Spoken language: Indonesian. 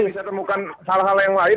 bisa temukan hal hal yang lain